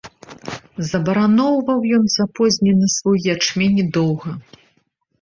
Забараноўваў ён запознены свой ячмень доўга.